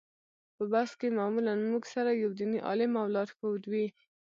په بس کې معمولا موږ سره یو دیني عالم او لارښود وي.